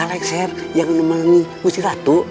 saya yang menemani musti ratu